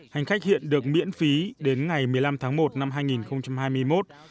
hành khách hiện được miễn phí đến ngày một mươi năm tháng một năm hai nghìn hai mươi một